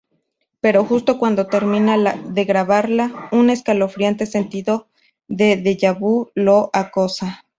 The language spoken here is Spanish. Pero justo cuando termina de grabarla, un escalofriante sentido de deja vu lo acosa.